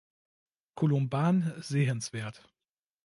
Columban sehenswert.